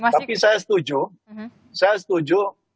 tapi saya setuju saya setuju